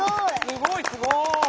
すごいすごい。